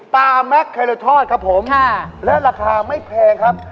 ปลาแม็กซ์ไครโลทอดและราคาไม่แพงครับ